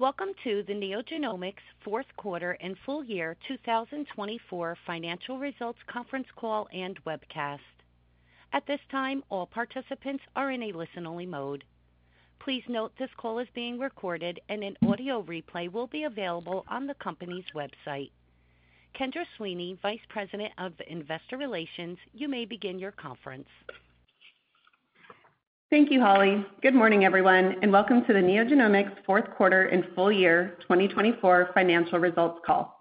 Welcome to the NeoGenomics Fourth Quarter and Full Year 2024 Financial Results Conference Call and Webcast. At this time, all participants are in a listen-only mode. Please note this call is being recorded, and an audio replay will be available on the company's website. Kendra Sweeney, Vice President of Investor Relations, you may begin your conference. Thank you, Holly. Good morning, everyone, and welcome to the NeoGenomics fourth quarter and full year 2024 financial results call.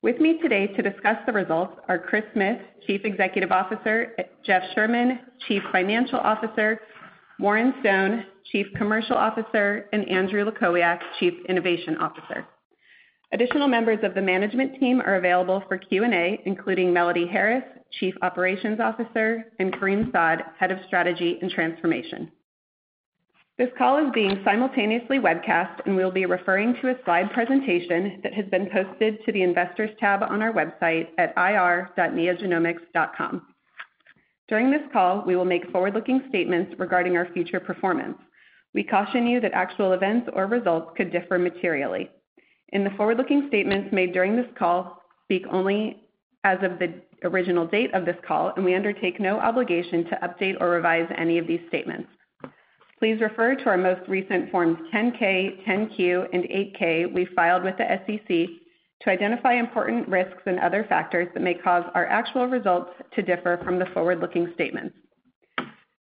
With me today to discuss the results are Chris Smith, Chief Executive Officer, Jeff Sherman, Chief Financial Officer, Warren Stone, Chief Commercial Officer, and Andrew Lukowiak, Chief Innovation Officer. Additional members of the management team are available for Q&A, including Melody Harris, Chief Operations Officer, and Kareem Saad, Head of Strategy and Transformation. This call is being simultaneously webcast, and we'll be referring to a slide presentation that has been posted to the Investors tab on our website at ir.neogenomics.com. During this call, we will make forward-looking statements regarding our future performance. We caution you that actual events or results could differ materially. In the forward-looking statements made during this call, speak only as of the original date of this call, and we undertake no obligation to update or revise any of these statements. Please refer to our most recent Forms 10-K, 10-Q, and 8-K we filed with the SEC to identify important risks and other factors that may cause our actual results to differ from the forward-looking statements.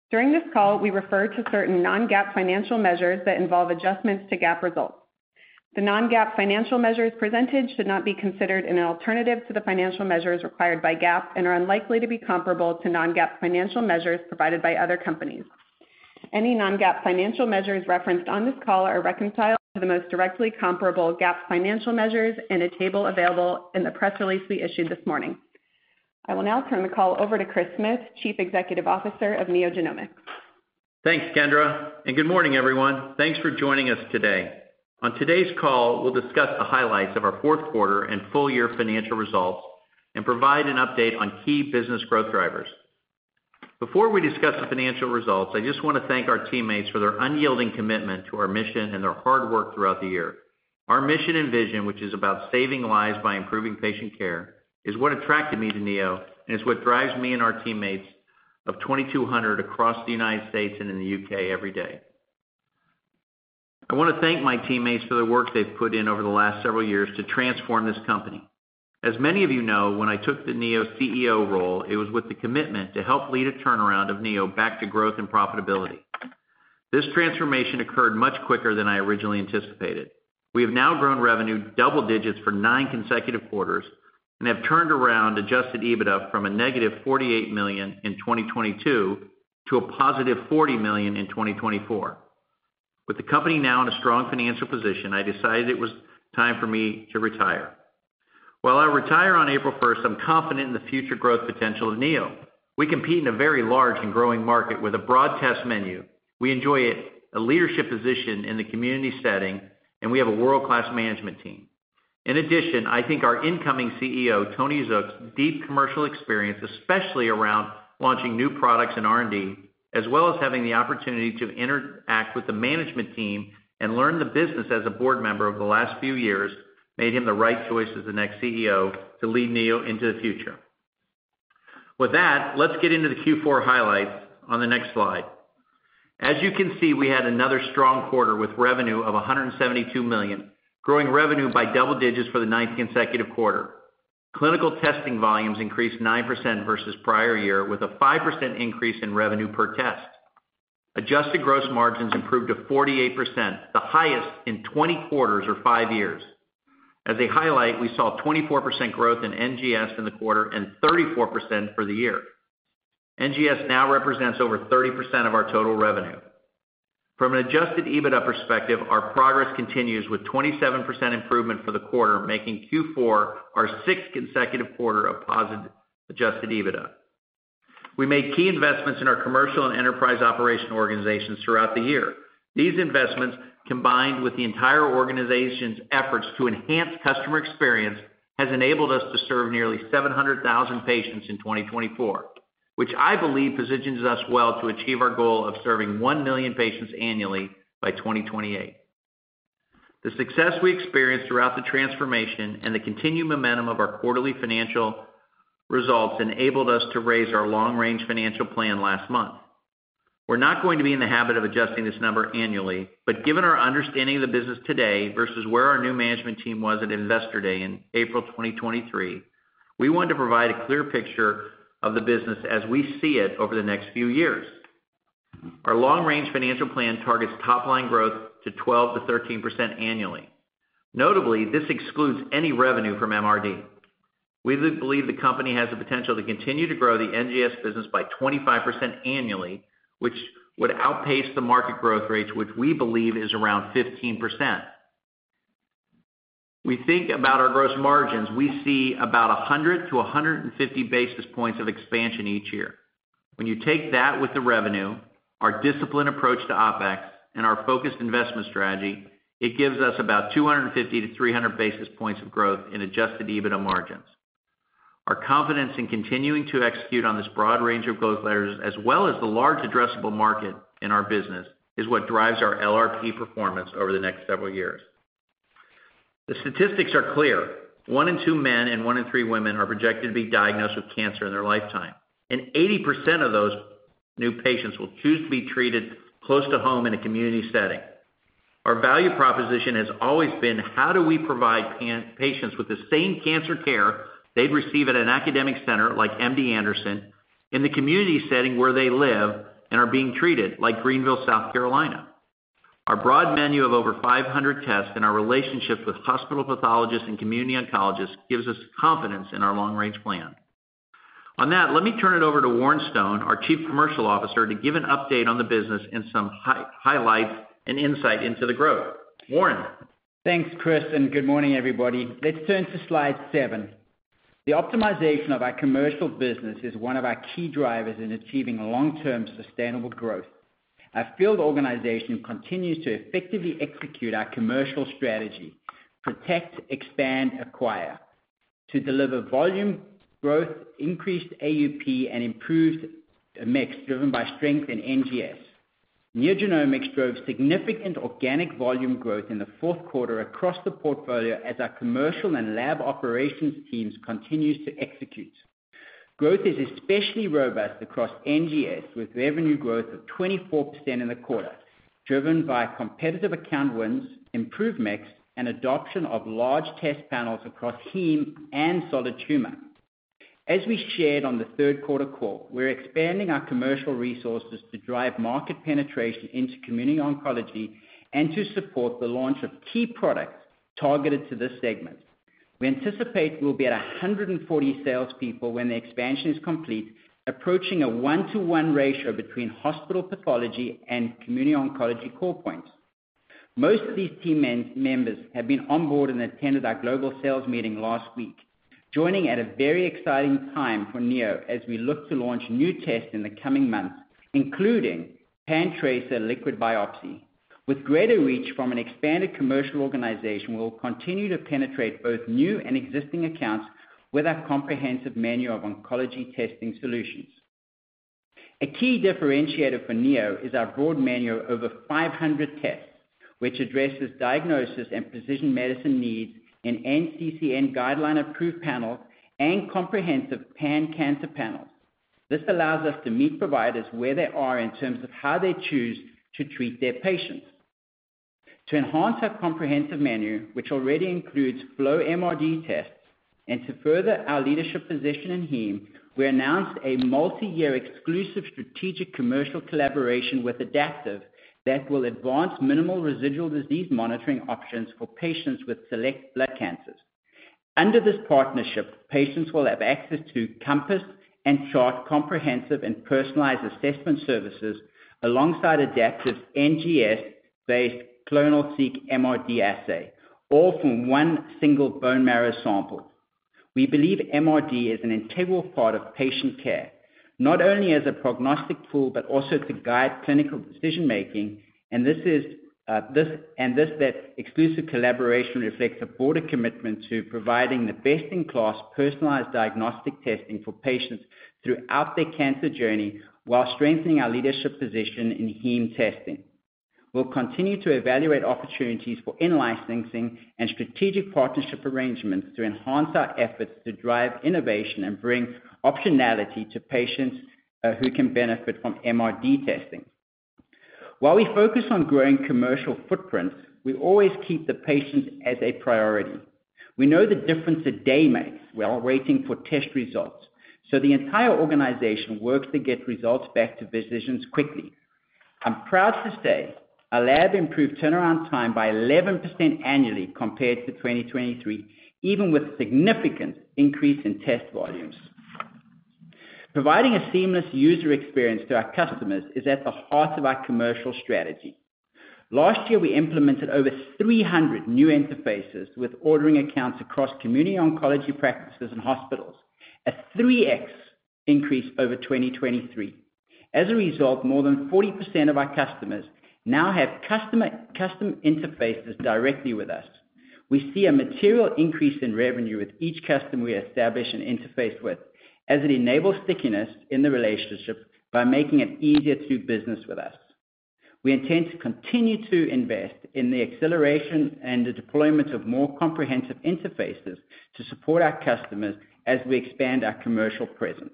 During this call, we refer to certain non-GAAP financial measures that involve adjustments to GAAP results. The non-GAAP financial measures presented should not be considered an alternative to the financial measures required by GAAP and are unlikely to be comparable to non-GAAP financial measures provided by other companies. Any non-GAAP financial measures referenced on this call are reconciled to the most directly comparable GAAP financial measures in a table available in the press release we issued this morning. I will now turn the call over to Chris Smith, Chief Executive Officer of NeoGenomics. Thanks, Kendra, and good morning, everyone. Thanks for joining us today. On today's call, we'll discuss the highlights of our fourth quarter and full year financial results and provide an update on key business growth drivers. Before we discuss the financial results, I just want to thank our teammates for their unyielding commitment to our mission and their hard work throughout the year. Our mission and vision, which is about saving lives by improving patient care, is what attracted me to Neo and is what drives me and our teammates of 2,200 across the United States and in the U.K. every day. I want to thank my teammates for the work they've put in over the last several years to transform this company. As many of you know, when I took the Neo CEO role, it was with the commitment to help lead a turnaround of Neo back to growth and profitability. This transformation occurred much quicker than I originally anticipated. We have now grown revenue double digits for nine consecutive quarters and have turned around Adjusted EBITDA from a negative $48 million in 2022 to a positive $40 million in 2024. With the company now in a strong financial position, I decided it was time for me to retire. While I retire on April 1st, I'm confident in the future growth potential of Neo. We compete in a very large and growing market with a broad test menu. We enjoy a leadership position in the community setting, and we have a world-class management team. In addition, I think our incoming CEO, Tony Zook's deep commercial experience, especially around launching new products and R&D, as well as having the opportunity to interact with the management team and learn the business as a board member over the last few years, made him the right choice as the next CEO to lead Neo into the future. With that, let's get into the Q4 highlights on the next slide. As you can see, we had another strong quarter with revenue of $172 million, growing revenue by double digits for the ninth consecutive quarter. Clinical testing volumes increased 9% versus prior year, with a 5% increase in revenue per test. Adjusted gross margins improved to 48%, the highest in 20 quarters or five years. As they highlight, we saw 24% growth in NGS in the quarter and 34% for the year. NGS now represents over 30% of our total revenue. From an Adjusted EBITDA perspective, our progress continues with 27% improvement for the quarter, making Q4 our sixth consecutive quarter of positive Adjusted EBITDA. We made key investments in our commercial and enterprise operation organizations throughout the year. These investments, combined with the entire organization's efforts to enhance customer experience, have enabled us to serve nearly 700,000 patients in 2024, which I believe positions us well to achieve our goal of serving 1 million patients annually by 2028. The success we experienced throughout the transformation and the continued momentum of our quarterly financial results enabled us to raise our long-range financial plan last month. We're not going to be in the habit of adjusting this number annually, but given our understanding of the business today versus where our new management team was at Investor Day in April 2023, we wanted to provide a clear picture of the business as we see it over the next few years. Our long-range financial plan targets top-line growth to 12%-13% annually. Notably, this excludes any revenue from MRD. We believe the company has the potential to continue to grow the NGS business by 25% annually, which would outpace the market growth rates, which we believe is around 15%. We think about our gross margins. We see about 100-150 basis points of expansion each year. When you take that with the revenue, our disciplined approach to OpEx, and our focused investment strategy, it gives us about 250-300 basis points of growth in adjusted EBITDA margins. Our confidence in continuing to execute on this broad range of growth levers, as well as the large addressable market in our business, is what drives our LRP performance over the next several years. The statistics are clear. One in two men and one in three women are projected to be diagnosed with cancer in their lifetime, and 80% of those new patients will choose to be treated close to home in a community setting. Our value proposition has always been: how do we provide patients with the same cancer care they'd receive at an academic center like MD Anderson in the community setting where they live and are being treated, like Greenville, South Carolina? Our broad menu of over 500 tests and our relationship with hospital pathologists and community oncologists gives us confidence in our long-range plan. On that, let me turn it over to Warren Stone, our Chief Commercial Officer, to give an update on the business and some highlights and insight into the growth. Warren. Thanks, Chris, and good morning, everybody. Let's turn to slide seven. The optimization of our commercial business is one of our key drivers in achieving long-term sustainable growth. Our field organization continues to effectively execute our commercial strategy: protect, expand, acquire, to deliver volume, growth, increased AUP, and improved mix driven by strength in NGS. NeoGenomics drove significant organic volume growth in the fourth quarter across the portfolio as our commercial and lab operations teams continued to execute. Growth is especially robust across NGS, with revenue growth of 24% in the quarter, driven by competitive account wins, improved mix, and adoption of large test panels across heme and solid tumor. As we shared on the third quarter call, we're expanding our commercial resources to drive market penetration into community oncology and to support the launch of key products targeted to this segment. We anticipate we'll be at 140 salespeople when the expansion is complete, approaching a one-to-one ratio between hospital pathology and community oncology core points. Most of these team members have been onboard and attended our global sales meeting last week, joining at a very exciting time for Neo as we look to launch new tests in the coming months, including PanTracer liquid biopsy. With greater reach from an expanded commercial organization, we'll continue to penetrate both new and existing accounts with our comprehensive menu of oncology testing solutions. A key differentiator for Neo is our broad menu of over 500 tests, which addresses diagnosis and precision medicine needs in NCCN-guideline-approved panels and comprehensive pan-cancer panels. This allows us to meet providers where they are in terms of how they choose to treat their patients. To enhance our comprehensive menu, which already includes flow MRD tests, and to further our leadership position in heme, we announced a multi-year exclusive strategic commercial collaboration with Adaptive that will advance minimal residual disease monitoring options for patients with select blood cancers. Under this partnership, patients will have access to Compass and Chart comprehensive and personalized assessment services alongside Adaptive's NGS-based clonoSEQ MRD assay, all from one single bone marrow sample. We believe MRD is an integral part of patient care, not only as a prognostic tool but also to guide clinical decision-making, and this exclusive collaboration reflects a broader commitment to providing the best-in-class personalized diagnostic testing for patients throughout their cancer journey while strengthening our leadership position in heme testing. We'll continue to evaluate opportunities for in-line sensing and strategic partnership arrangements to enhance our efforts to drive innovation and bring optionality to patients who can benefit from MRD testing. While we focus on growing commercial footprints, we always keep the patients as a priority. We know the difference a day makes while waiting for test results, so the entire organization works to get results back to physicians quickly. I'm proud to say our lab improved turnaround time by 11% annually compared to 2023, even with a significant increase in test volumes. Providing a seamless user experience to our customers is at the heart of our commercial strategy. Last year, we implemented over 300 new interfaces with ordering accounts across community oncology practices and hospitals, a 3X increase over 2023. As a result, more than 40% of our customers now have customer interfaces directly with us. We see a material increase in revenue with each customer we establish and interface with, as it enables stickiness in the relationship by making it easier to do business with us. We intend to continue to invest in the acceleration and the deployment of more comprehensive interfaces to support our customers as we expand our commercial presence.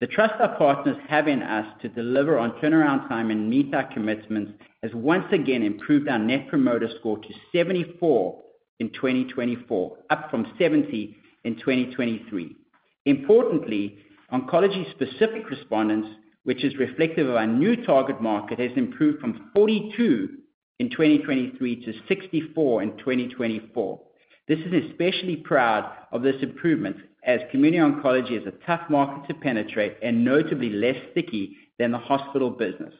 The trust our partners have in us to deliver on turnaround time and meet our commitments has once again improved our net promoter score to 74 in 2024, up from 70 in 2023. Importantly, oncology-specific respondents, which is reflective of our new target market, have improved from 42 in 2023 to 64 in 2024. This is especially proud of this improvement as community oncology is a tough market to penetrate and notably less sticky than the hospital business.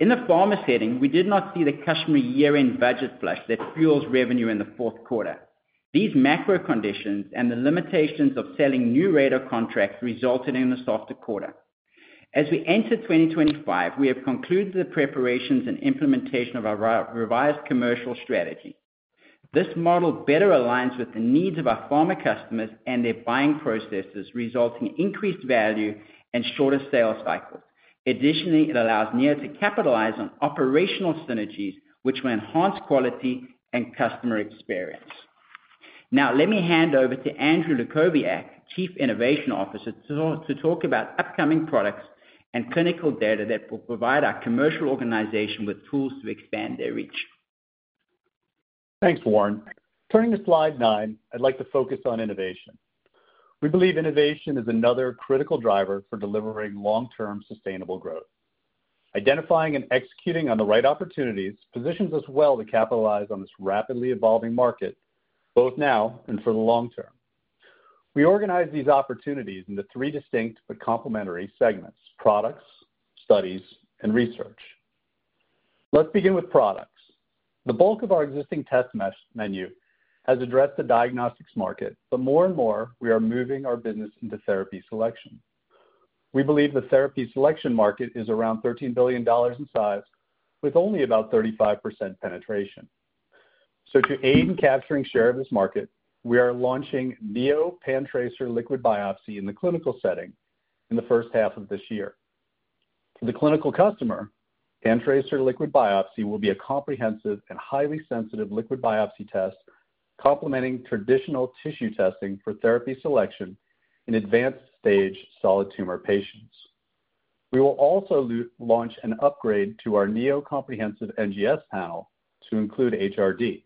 In the pharma setting, we did not see the customer year-end budget flush that fuels revenue in the fourth quarter. These macro conditions and the limitations of selling new RaDaR contracts resulted in a softer quarter. As we enter 2025, we have concluded the preparations and implementation of our revised commercial strategy. This model better aligns with the needs of our pharma customers and their buying processes, resulting in increased value and shorter sales cycles. Additionally, it allows Neo to capitalize on operational synergies, which will enhance quality and customer experience. Now, let me hand over to Andrew Lukowiak, Chief Innovation Officer, to talk about upcoming products and clinical data that will provide our commercial organization with tools to expand their reach. Thanks, Warren. Turning to slide nine, I'd like to focus on innovation. We believe innovation is another critical driver for delivering long-term sustainable growth. Identifying and executing on the right opportunities positions us well to capitalize on this rapidly evolving market, both now and for the long term. We organize these opportunities into three distinct but complementary segments: products, studies, and research. Let's begin with products. The bulk of our existing test menu has addressed the diagnostics market, but more and more, we are moving our business into therapy selection. We believe the therapy selection market is around $13 billion in size, with only about 35% penetration. So, to aid in capturing share of this market, we are launching Neo PanTracer liquid biopsy in the clinical setting in the first half of this year. For the clinical customer, PanTracer liquid biopsy will be a comprehensive and highly sensitive liquid biopsy test, complementing traditional tissue testing for therapy selection in advanced-stage solid tumor patients. We will also launch an upgrade to our Neo Comprehensive NGS panel to include HRD.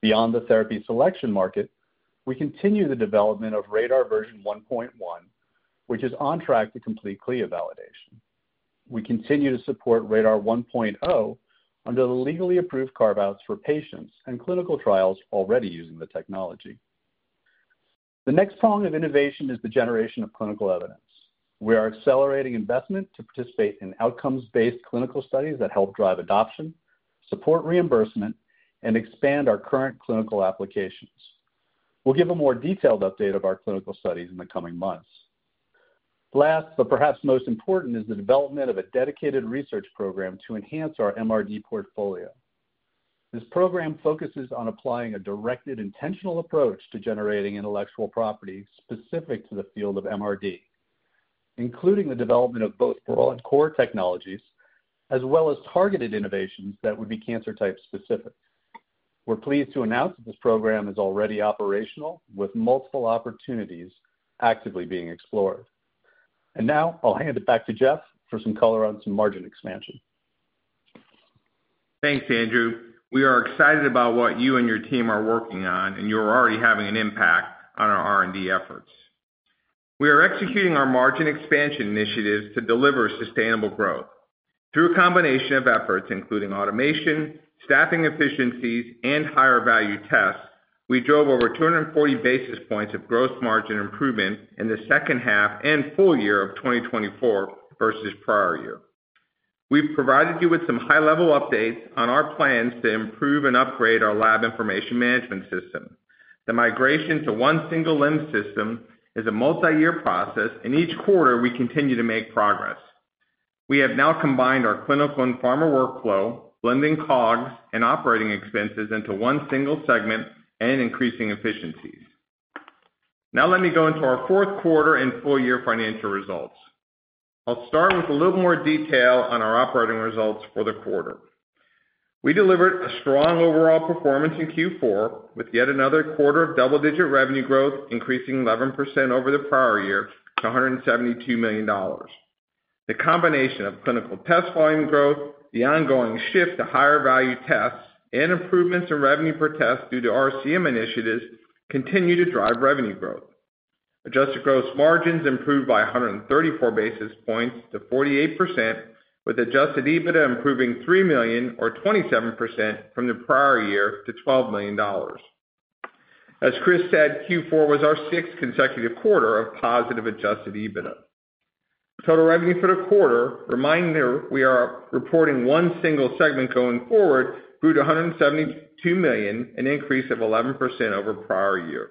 Beyond the therapy selection market, we continue the development of RaDaR version 1.1, which is on track to complete CLIA validation. We continue to support RaDaR 1.0 under the legally approved carve-outs for patients and clinical trials already using the technology. The next prong of innovation is the generation of clinical evidence. We are accelerating investment to participate in outcomes-based clinical studies that help drive adoption, support reimbursement, and expand our current clinical applications. We'll give a more detailed update of our clinical studies in the coming months. Last, but perhaps most important, is the development of a dedicated research program to enhance our MRD portfolio. This program focuses on applying a directed, intentional approach to generating intellectual property specific to the field of MRD, including the development of both core technologies as well as targeted innovations that would be cancer-type specific. We're pleased to announce that this program is already operational, with multiple opportunities actively being explored. And now, I'll hand it back to Jeff for some color on some margin expansion. Thanks, Andrew. We are excited about what you and your team are working on, and you're already having an impact on our R&D efforts. We are executing our margin expansion initiatives to deliver sustainable growth. Through a combination of efforts, including automation, staffing efficiencies, and higher-value tests, we drove over 240 basis points of gross margin improvement in the second half and full year of 2024 versus prior year. We've provided you with some high-level updates on our plans to improve and upgrade our lab information management system. The migration to one single LIMS system is a multi-year process, and each quarter, we continue to make progress. We have now combined our clinical and pharma workflow, blending COGS and operating expenses into one single segment and increasing efficiencies. Now, let me go into our fourth quarter and full-year financial results. I'll start with a little more detail on our operating results for the quarter. We delivered a strong overall performance in Q4, with yet another quarter of double-digit revenue growth, increasing 11% over the prior year to $172 million. The combination of clinical test volume growth, the ongoing shift to higher-value tests, and improvements in revenue per test due to RCM initiatives continue to drive revenue growth. Adjusted gross margins improved by 134 basis points to 48%, with adjusted EBITDA improving $3 million, or 27% from the prior year, to $12 million. As Chris said, Q4 was our sixth consecutive quarter of positive adjusted EBITDA. Total revenue for the quarter, reminding you, we are reporting one single segment going forward, grew to $172 million, an increase of 11% over prior year.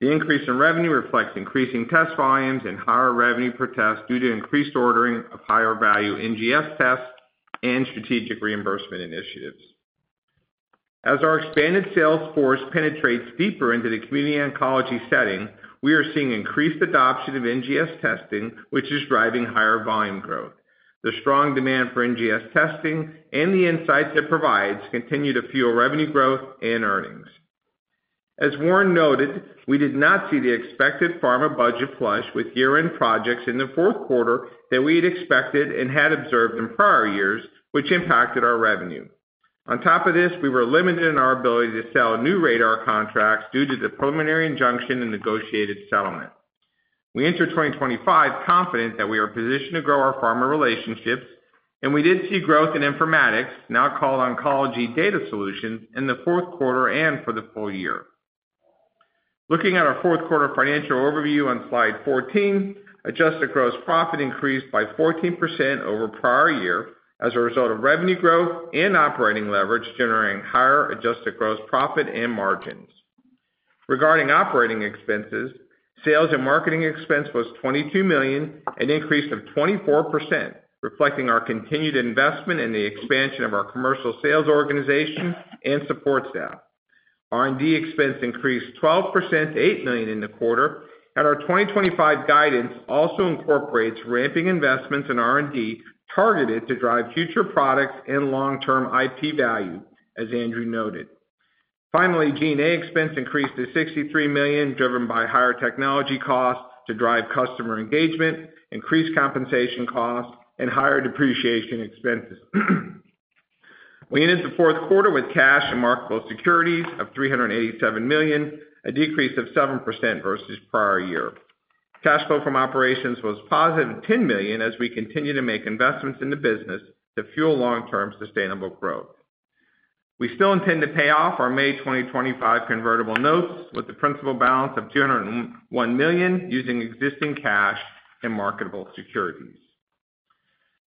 The increase in revenue reflects increasing test volumes and higher revenue per test due to increased ordering of higher-value NGS tests and strategic reimbursement initiatives. As our expanded sales force penetrates deeper into the community oncology setting, we are seeing increased adoption of NGS testing, which is driving higher volume growth. The strong demand for NGS testing and the insights it provides continue to fuel revenue growth and earnings. As Warren noted, we did not see the expected pharma budget flush with year-end projects in the fourth quarter that we had expected and had observed in prior years, which impacted our revenue. On top of this, we were limited in our ability to sell new RaDaR contracts due to the preliminary injunction and negotiated settlement. We enter 2025 confident that we are positioned to grow our pharma relationships, and we did see growth in informatics, now called Oncology Data Solutions, in the fourth quarter and for the full year. Looking at our fourth quarter financial overview on slide 14, adjusted gross profit increased by 14% over prior year as a result of revenue growth and operating leverage, generating higher adjusted gross profit and margins. Regarding operating expenses, sales and marketing expense was $22 million, an increase of 24%, reflecting our continued investment in the expansion of our commercial sales organization and support staff. R&D expense increased 12% to $8 million in the quarter, and our 2025 guidance also incorporates ramping investments in R&D targeted to drive future products and long-term IP value, as Andrew noted. Finally, G&A expense increased to $63 million, driven by higher technology costs to drive customer engagement, increased compensation costs, and higher depreciation expenses. We entered the fourth quarter with cash and marketable securities of $387 million, a decrease of 7% versus prior year. Cash flow from operations was positive at $10 million, as we continue to make investments in the business to fuel long-term sustainable growth. We still intend to pay off our May 2025 convertible notes with a principal balance of $201 million, using existing cash and marketable securities.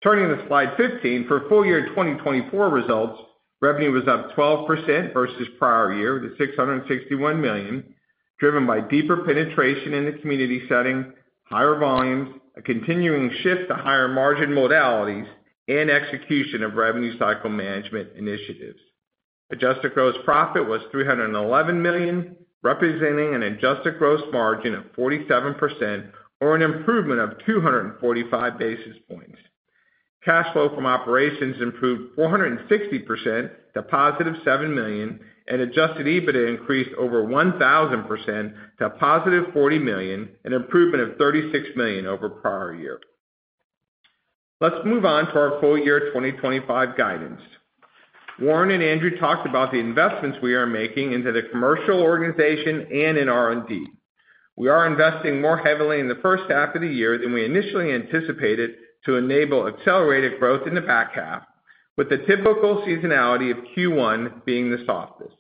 Turning to slide 15, for full-year 2024 results, revenue was up 12% versus prior year to $661 million, driven by deeper penetration in the community setting, higher volumes, a continuing shift to higher margin modalities, and execution of revenue cycle management initiatives. Adjusted gross profit was $311 million, representing an adjusted gross margin of 47%, or an improvement of 245 basis points. Cash flow from operations improved 460% to positive $7 million, and Adjusted EBITDA increased over 1,000% to positive $40 million, an improvement of $36 million over prior year. Let's move on to our full-year 2025 guidance. Warren and Andrew talked about the investments we are making into the commercial organization and in R&D. We are investing more heavily in the first half of the year than we initially anticipated to enable accelerated growth in the back half, with the typical seasonality of Q1 being the softest.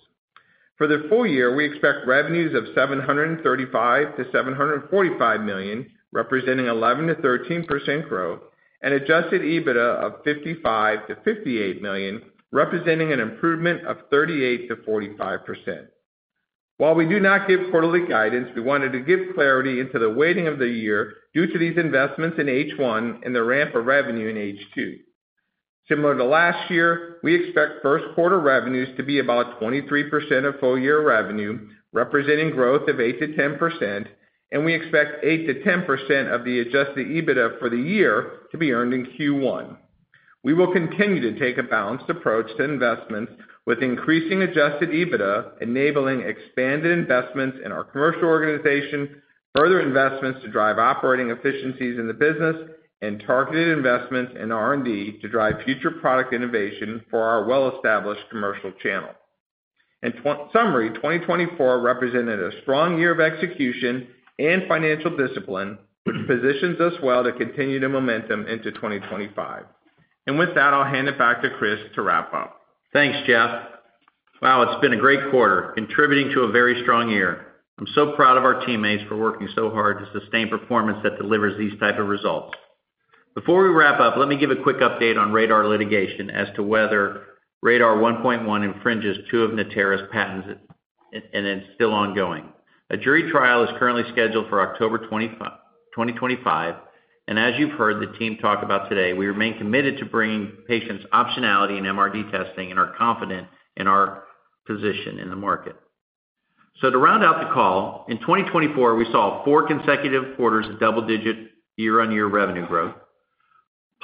For the full year, we expect revenues of $735-$745 million, representing 11%-13% growth, and Adjusted EBITDA of $55-$58 million, representing an improvement of 38%-45%. While we do not give quarterly guidance, we wanted to give clarity into the weighting of the year due to these investments in H1 and the ramp of revenue in H2. Similar to last year, we expect first-quarter revenues to be about 23% of full-year revenue, representing growth of 8%-10%, and we expect 8%-10% of the Adjusted EBITDA for the year to be earned in Q1. We will continue to take a balanced approach to investments, with increasing Adjusted EBITDA enabling expanded investments in our commercial organization, further investments to drive operating efficiencies in the business, and targeted investments in R&D to drive future product innovation for our well-established commercial channel. In summary, 2024 represented a strong year of execution and financial discipline, which positions us well to continue the momentum into 2025. And with that, I'll hand it back to Chris to wrap up. Thanks, Jeff. Wow, it's been a great quarter, contributing to a very strong year. I'm so proud of our teammates for working so hard to sustain performance that delivers these types of results. Before we wrap up, let me give a quick update on RaDaR litigation as to whether RaDaR 1.1 infringes two of Natera's patents, and it's still ongoing. A jury trial is currently scheduled for October 2025, and as you've heard the team talk about today, we remain committed to bringing patients optionality in MRD testing and are confident in our position in the market. So to round out the call, in 2024, we saw four consecutive quarters of double-digit year-on-year revenue growth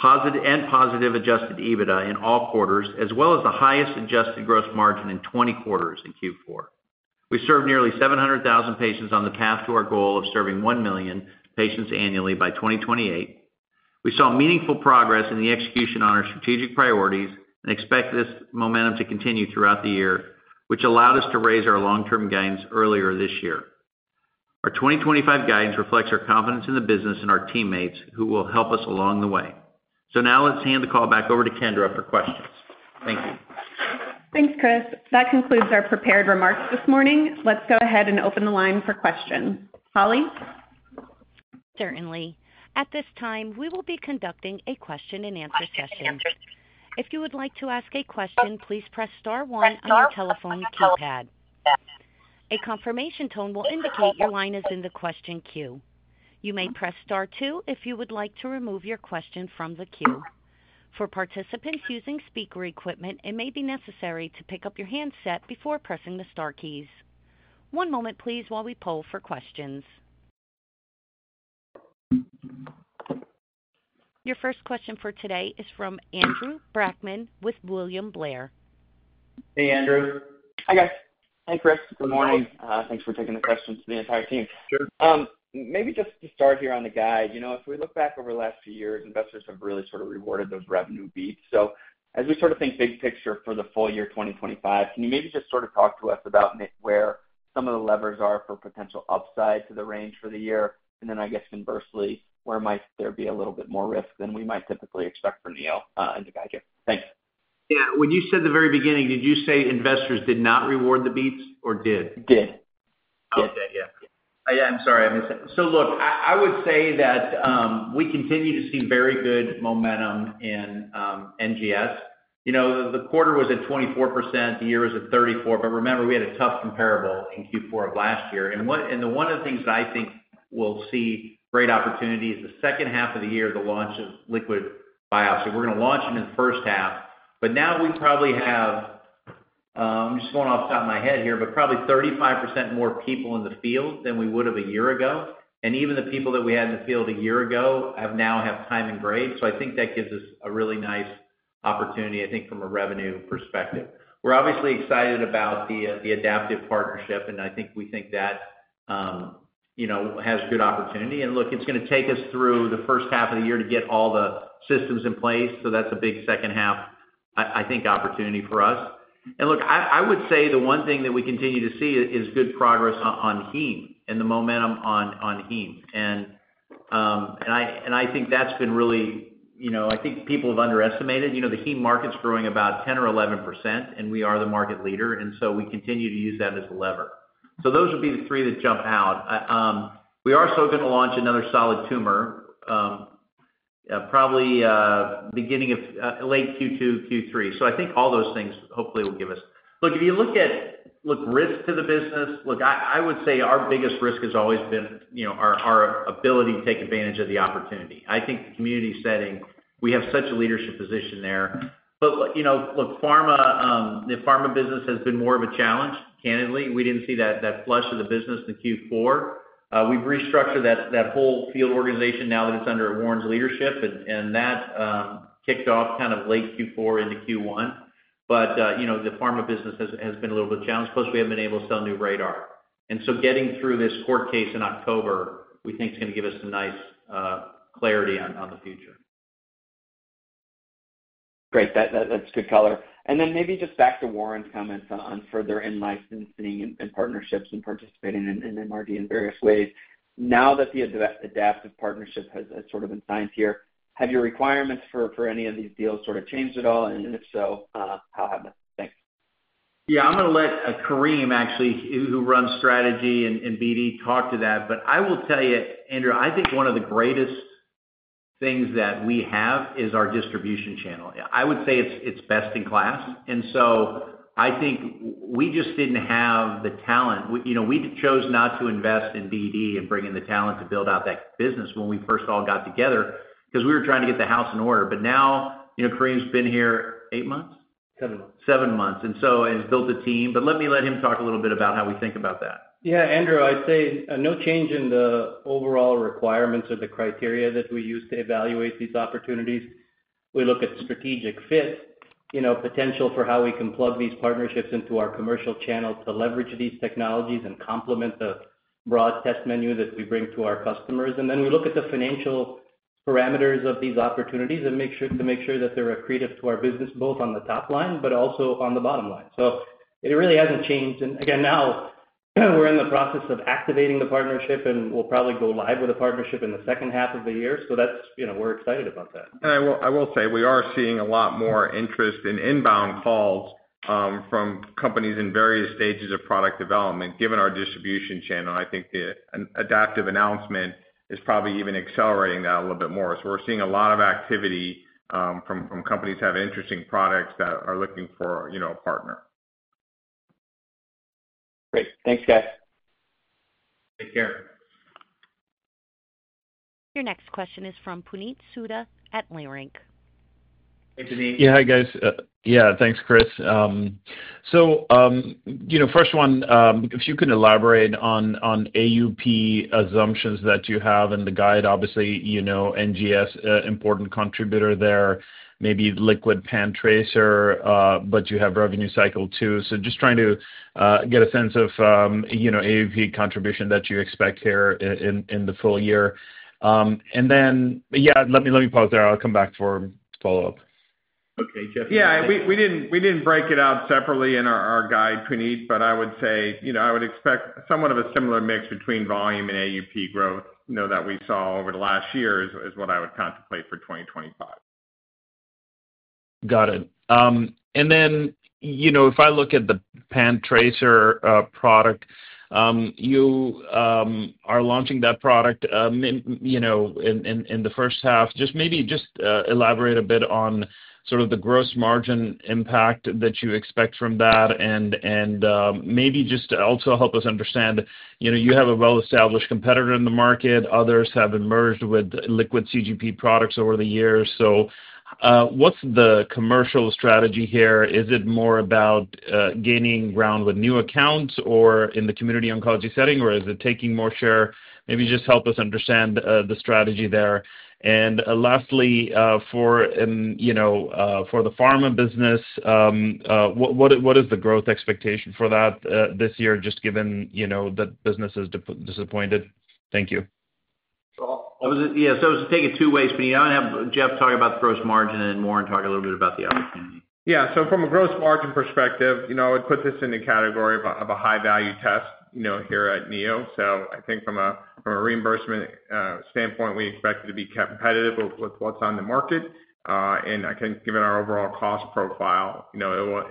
and positive Adjusted EBITDA in all quarters, as well as the highest adjusted gross margin in 20 quarters in Q4. We served nearly 700,000 patients on the path to our goal of serving 1 million patients annually by 2028. We saw meaningful progress in the execution on our strategic priorities and expect this momentum to continue throughout the year, which allowed us to raise our long-term guidance earlier this year. Our 2025 guidance reflects our confidence in the business and our teammates who will help us along the way. So now, let's hand the call back over to Kendra for questions. Thank you. Thanks, Chris. That concludes our prepared remarks this morning. Let's go ahead and open the line for questions. Holly? Certainly. At this time, we will be conducting a question-and-answer session. If you would like to ask a question, please press star one on your telephone keypad. A confirmation tone will indicate your line is in the question queue. You may press star two if you would like to remove your question from the queue. For participants using speaker equipment, it may be necessary to pick up your handset before pressing the star keys. One moment, please, while we poll for questions. Your first question for today is from Andrew Brackman with William Blair. Hey, Andrew. Hi, guys. Hey, Chris. Good morning. Thanks for taking the question to the entire team. Sure. Maybe just to start here on the guide, if we look back over the last few years, investors have really sort of rewarded those revenue beats. So as we sort of think big picture for the full year 2025, can you maybe just sort of talk to us about where some of the levers are for potential upside to the range for the year? And then I guess conversely, where might there be a little bit more risk than we might typically expect from Neo in the guide here? Thanks. Yeah. When you said the very beginning, did you say investors did not reward the beats or did? Did. Did. Yeah. Yeah. I'm sorry. So look, I would say that we continue to see very good momentum in NGS. The quarter was at 24%, the year was at 34%, but remember, we had a tough comparable in Q4 of last year. And one of the things that I think we'll see great opportunity is the second half of the year, the launch of liquid biopsy. We're going to launch it in the first half, but now we probably have, I'm just going off the top of my head here, but probably 35% more people in the field than we would have a year ago. And even the people that we had in the field a year ago now have time and grade. So I think that gives us a really nice opportunity, I think, from a revenue perspective. We're obviously excited about the Adaptive partnership, and I think we think that has good opportunity. And look, it's going to take us through the first half of the year to get all the systems in place, so that's a big second half, I think, opportunity for us. And look, I would say the one thing that we continue to see is good progress on heme and the momentum on heme. And I think that's been really. I think people have underestimated. The heme market's growing about 10% or 11%, and we are the market leader, and so we continue to use that as a lever. So those would be the three that jump out. We are still going to launch another solid tumor, probably beginning of late Q2, Q3. So, I think all those things hopefully will give us, look, if you look at risk to the business, look, I would say our biggest risk has always been our ability to take advantage of the opportunity. I think the community setting, we have such a leadership position there. But look, the pharma business has been more of a challenge, candidly. We didn't see that flush of the business in Q4. We've restructured that whole field organization now that it's under Warren's leadership, and that kicked off kind of late Q4 into Q1. But the pharma business has been a little bit of a challenge, plus we haven't been able to sell new RaDaR. And so getting through this court case in October, we think it's going to give us some nice clarity on the future. Great. That's good color. And then maybe just back to Warren's comments on further in-licensing and partnerships and participating in MRD in various ways. Now that the adaptive partnership has sort of been signed here, have your requirements for any of these deals sort of changed at all? And if so, how have they? Thanks. Yeah. I'm going to let Kareem, actually, who runs strategy and BD, talk to that. But I will tell you, Andrew, I think one of the greatest things that we have is our distribution channel. I would say it's best in class. And so I think we just didn't have the talent. We chose not to invest in BD and bring in the talent to build out that business when we first all got together because we were trying to get the house in order. But now, Kareem's been here eight months? Seven months. Seven months. And so he's built a team. But let me let him talk a little bit about how we think about that. Yeah. Andrew, I'd say no change in the overall requirements or the criteria that we use to evaluate these opportunities. We look at strategic fit, potential for how we can plug these partnerships into our commercial channel to leverage these technologies and complement the broad test menu that we bring to our customers. And then we look at the financial parameters of these opportunities to make sure that they're accretive to our business, both on the top line but also on the bottom line. So it really hasn't changed. And again, now we're in the process of activating the partnership, and we'll probably go live with a partnership in the second half of the year. So we're excited about that. And I will say we are seeing a lot more interest in inbound calls from companies in various stages of product development, given our distribution channel. I think the Adaptive announcement is probably even accelerating that a little bit more, so we're seeing a lot of activity from companies having interesting products that are looking for a partner. Great. Thanks, guys. Take care. Your next question is from Puneet Souda at Leerink Partners. Hey, Puneet. Hey, guys. Yeah. Thanks, Chris. So first one, if you can elaborate on AUP assumptions that you have in the guide. Obviously, NGS, important contributor there, maybe liquid PanTracer, but you have revenue cycle too. So just trying to get a sense of AUP contribution that you expect here in the full year. And then, yeah, let me pause there. I'll come back for follow-up. Okay. Jeff. Yeah. We didn't break it out separately in our guide, Puneet, but I would say I would expect somewhat of a similar mix between volume and AUP growth that we saw over the last year is what I would contemplate for 2025. Got it. And then if I look at the PanTracer product, you are launching that product in the first half. Just maybe elaborate a bit on sort of the gross margin impact that you expect from that and maybe just also help us understand. You have a well-established competitor in the market. Others have emerged with liquid CGP products over the years. So what's the commercial strategy here? Is it more about gaining ground with new accounts in the community oncology setting, or is it taking more share? Maybe just help us understand the strategy there. And lastly, for the pharma business, what is the growth expectation for that this year, just given that business is disappointed? Thank you. Yeah. So I was going to take it two ways, Puneet. I want to have Jeff talk about the gross margin and Warren talk a little bit about the opportunity. Yeah. So from a gross margin perspective, I would put this in the category of a high-value test here at Neo. So I think from a reimbursement standpoint, we expect it to be competitive with what's on the market. And I think given our overall cost profile, it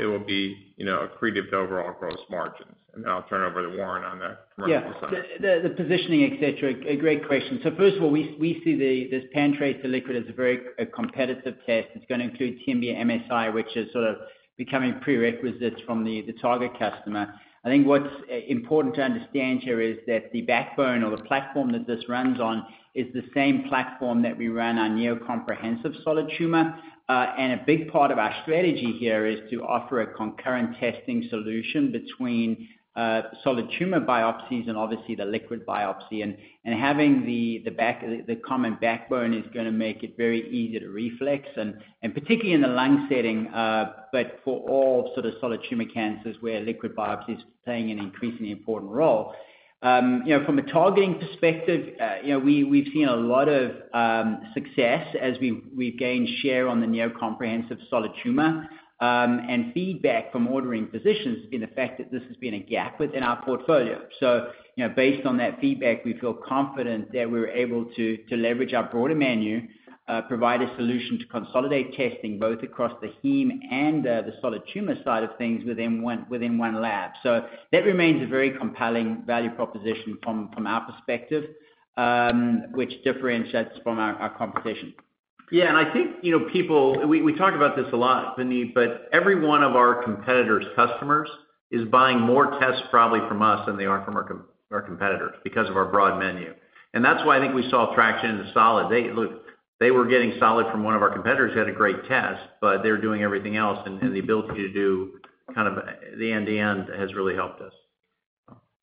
will be accretive to overall gross margins. And then I'll turn it over to Warren on that commercial side. Yeah. The positioning, etc., great question. So first of all, we see this PanTracer liquid as a very competitive test. It's going to include TMB MSI, which is sort of becoming prerequisites from the target customer. I think what's important to understand here is that the backbone or the platform that this runs on is the same platform that we ran our Neo Comprehensive solid tumor. And a big part of our strategy here is to offer a concurrent testing solution between solid tumor biopsies and obviously the liquid biopsy. And having the common backbone is going to make it very easy to reflex, and particularly in the lung setting, but for all sort of solid tumor cancers where liquid biopsy is playing an increasingly important role. From a targeting perspective, we've seen a lot of success as we've gained share on the Neo Comprehensive solid tumor. Feedback from ordering physicians has been the fact that this has been a gap within our portfolio. Based on that feedback, we feel confident that we're able to leverage our broader menu, provide a solution to consolidate testing both across the heme and the solid tumor side of things within one lab. That remains a very compelling value proposition from our perspective, which differentiates from our competition. Yeah. And I think people, we talk about this a lot, Puneet, but every one of our competitors' customers is buying more tests probably from us than they are from our competitors because of our broad menu. And that's why I think we saw traction in the solid. Look, they were getting solid from one of our competitors who had a great test, but they're doing everything else. And the ability to do kind of the end-to-end has really helped us.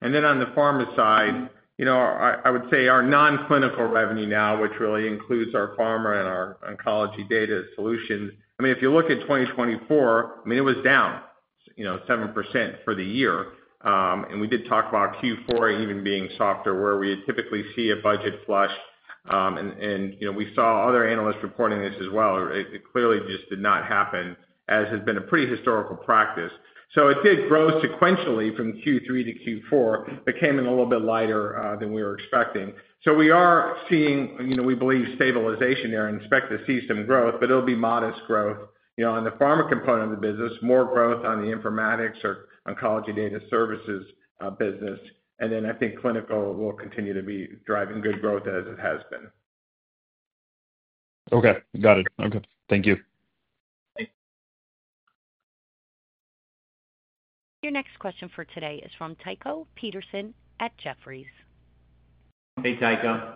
And then on the pharma side, I would say our non-clinical revenue now, which really includes our pharma and our Oncology Data Solutions, I mean, if you look at 2024, I mean, it was down 7% for the year. We did talk about Q4 even being softer, where we typically see a budget flush. We saw other analysts reporting this as well. It clearly just did not happen, as has been a pretty historical practice. It did grow sequentially from Q3 to Q4, but came in a little bit lighter than we were expecting. We are seeing, we believe, stabilization there. We expect to see some growth, but it'll be modest growth. On the pharma component of the business, more growth on the Informatics or Oncology Data Solutions business. Then I think clinical will continue to be driving good growth as it has been. Okay. Got it. Okay. Thank you. Thanks. Your next question for today is from Tycho Peterson at Jefferies. Hey, Tycho.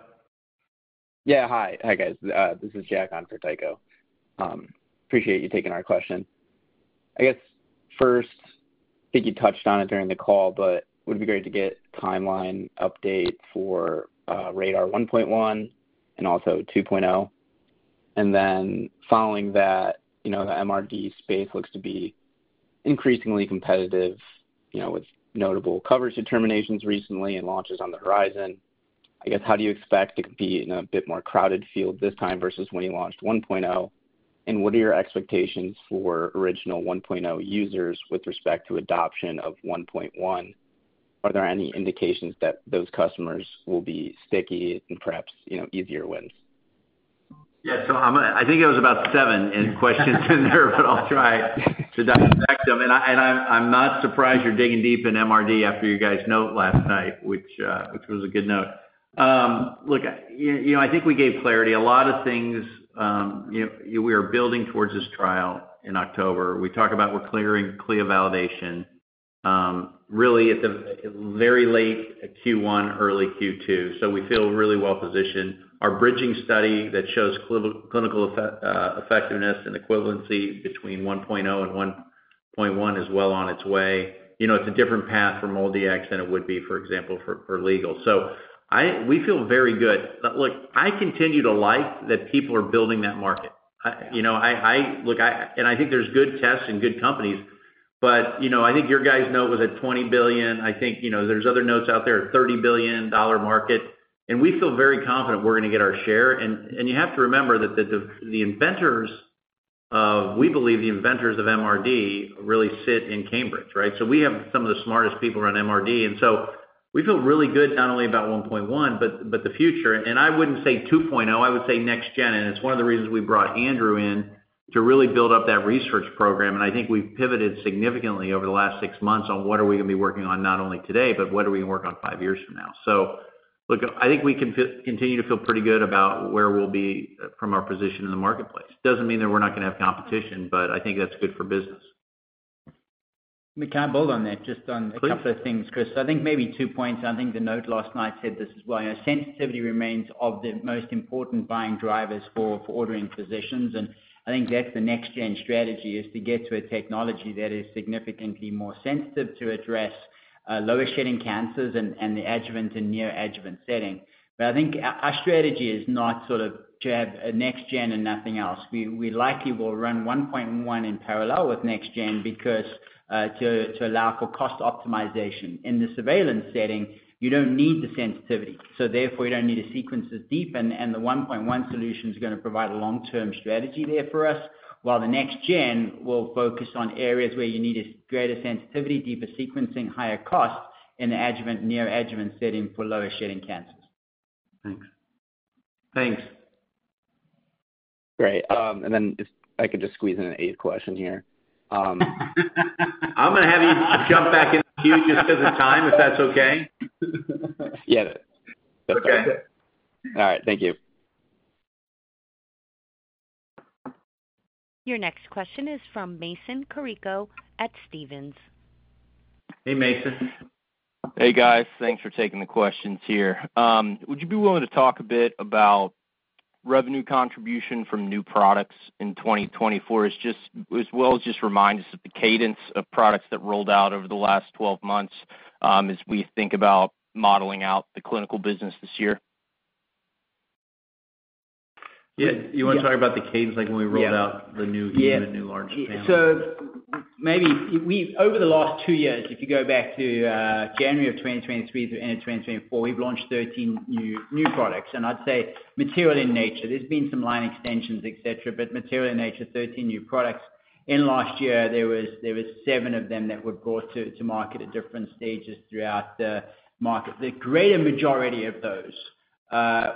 Yeah. Hi. Hi, guys. This is Jack on for Tycho. Appreciate you taking our question. I guess first, I think you touched on it during the call, but it would be great to get a timeline update for RaDaR 1.1 and also 2.0. And then following that, the MRD space looks to be increasingly competitive with notable coverage determinations recently and launches on the horizon. I guess, how do you expect to compete in a bit more crowded field this time versus when you launched 1.0? And what are your expectations for original 1.0 users with respect to adoption of 1.1? Are there any indications that those customers will be sticky and perhaps easier wins? Yeah. So I think it was about seven questions in there, but I'll try to dissect them. And I'm not surprised you're digging deep in MRD after you guys' note last night, which was a good note. Look, I think we gave clarity. A lot of things we are building towards this trial in October. We talk about we're clearing CLIA validation, really at the very late Q1, early Q2. So we feel really well-positioned. Our bridging study that shows clinical effectiveness and equivalency between 1.0 and 1.1 is well on its way. It's a different path for MolDX than it would be, for example, for legal. So we feel very good. Look, I continue to like that people are building that market. Look, and I think there's good tests and good companies, but I think your guys' note was at $20 billion. I think there's other notes out there, a $30 billion market. We feel very confident we're going to get our share. You have to remember that the inventors, we believe the inventors of MRD really sit in Cambridge, right? So we have some of the smartest people around MRD. We feel really good not only about 1.1, but the future. I wouldn't say 2.0. I would say next gen. It's one of the reasons we brought Andrew in to really build up that research program. I think we've pivoted significantly over the last six months on what are we going to be working on not only today, but what are we going to work on five years from now? Look, I think we can continue to feel pretty good about where we'll be from our position in the marketplace. It doesn't mean that we're not going to have competition, but I think that's good for business. Let me kind of build on that, just on a couple of things, Chris. So I think maybe two points. I think the note last night said this as well. Sensitivity remains one of the most important buy-in drivers for ordering physicians. And I think that's the next-gen strategy, is to get to a technology that is significantly more sensitive to address lower-shedding cancers and the adjuvant and neoadjuvant setting. But I think our strategy is not sort of to have a next-gen and nothing else. We likely will run 1.1 in parallel with next-gen to allow for cost optimization. In the surveillance setting, you don't need the sensitivity. So therefore, you don't need to sequence this deep. The 1.1 solution is going to provide a long-term strategy there for us, while the next gen will focus on areas where you need greater sensitivity, deeper sequencing, higher cost in the adjuvant/neoadjuvant setting for lower-shedding cancers. Thanks. Thanks. Great. And then if I could just squeeze in an eighth question here. I'm going to have you jump back in the queue just because of time, if that's okay. Yeah. That's fine. Okay. All right. Thank you. Your next question is from Mason Carrico at Stephens. Hey, Mason. Hey, guys. Thanks for taking the questions here. Would you be willing to talk a bit about revenue contribution from new products in 2024? As well as just remind us of the cadence of products that rolled out over the last 12 months as we think about modeling out the clinical business this year? Yeah. You want to talk about the cadence like when we rolled out the new heme and new large panels? Yeah. So maybe over the last two years, if you go back to January of 2023 to the end of 2024, we've launched 13 new products. And I'd say material in nature. There's been some line extensions, etc., but material in nature, 13 new products. In last year, there were seven of them that were brought to market at different stages throughout the market. The greater majority of those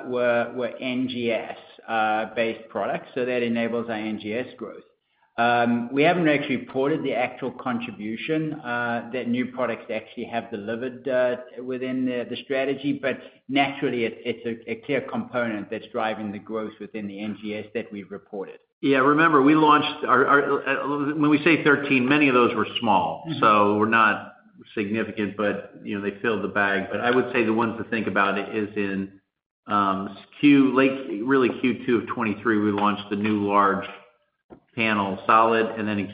were NGS-based products. So that enables our NGS growth. We haven't actually reported the actual contribution that new products actually have delivered within the strategy. But naturally, it's a clear component that's driving the growth within the NGS that we've reported. Yeah. Remember, when we say 13, many of those were small. So we're not significant, but they filled the bag. But I would say the ones to think about is in really Q2 of 2023, we launched the new large panel solid. And then in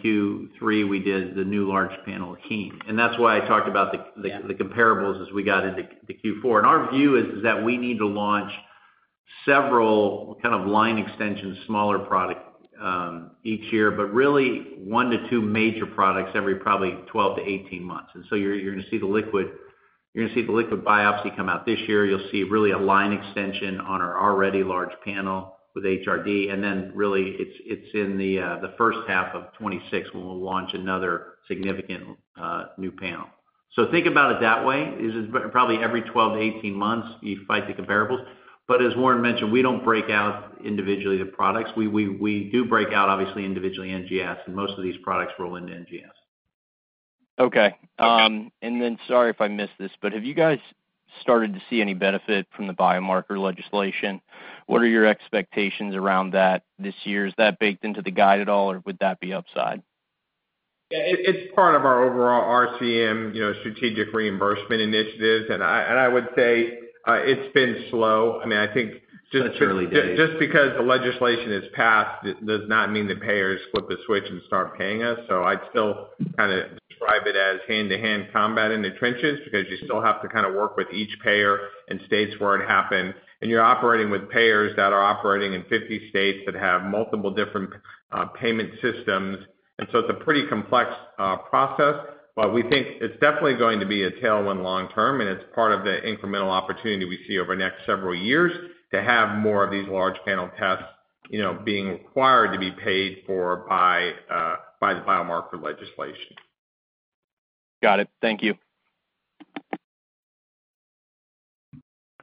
Q3, we did the new large panel heme. And that's why I talked about the comparables as we got into Q4. And our view is that we need to launch several kind of line extensions, smaller products each year, but really one to two major products every probably 12-18 months. And so you're going to see the liquid, you're going to see the liquid biopsy come out this year. You'll see really a line extension on our already large panel with HRD. And then really, it's in the first half of 2026 when we'll launch another significant new panel. So think about it that way. It's probably every 12-18 months you fight the comparables. But as Warren mentioned, we don't break out individually the products. We do break out, obviously, individually NGS, and most of these products roll into NGS. Okay. And then sorry if I missed this, but have you guys started to see any benefit from the biomarker legislation? What are your expectations around that this year? Is that baked into the guide at all, or would that be upside? Yeah. It's part of our overall RCM strategic reimbursement initiative, and I would say it's been slow. I mean, I think just. That's early days. Just because the legislation is passed does not mean the payers flip the switch and start paying us, so I'd still kind of describe it as hand-to-hand combat in the trenches because you still have to kind of work with each payer and states where it happened, and you're operating with payers that are operating in 50 states that have multiple different payment systems, and so it's a pretty complex process, but we think it's definitely going to be a tailwind long term, and it's part of the incremental opportunity we see over the next several years to have more of these large panel tests being required to be paid for by the biomarker legislation. Got it. Thank you.